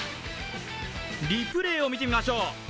リプレーを見てみましょう。